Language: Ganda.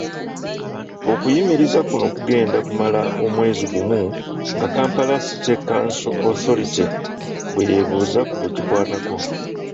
Okuyimiriza kuno ku genda kumala omwezi gumu nga Kampala City Council Authority bweyeebuuza ku bekikwatako.